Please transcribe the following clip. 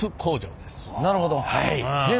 なるほど！